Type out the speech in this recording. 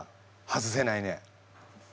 外せない。